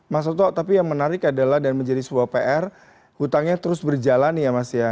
mas soto tapi yang menarik adalah dan menjadi sebuah pr hutangnya terus berjalan ya mas ya